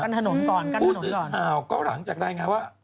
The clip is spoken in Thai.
กันถนนก่อนกันถนนก่อนพูดสือข่าวก็หลังจากรายงานว่า